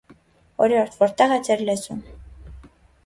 - Օրիորդ, ո՞րտեղ է ձեր լեզուն: